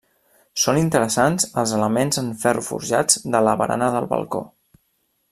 Són interessants els elements en ferro forjats de la barana del balcó.